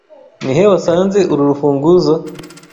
Ni he wasanze uru rufunguzo?